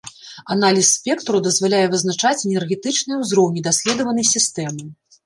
Аналіз спектраў дазваляе вызначаць энергетычныя ўзроўні даследаванай сістэмы.